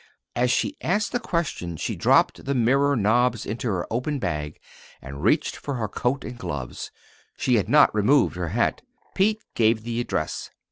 As she asked the question she dropped the mirror knobs into her open bag, and reached for her coat and gloves she had not removed her hat. Pete gave the address.